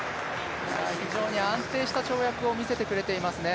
非常に安定した跳躍を見せてくれていますね。